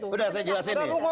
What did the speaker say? udah saya jelasin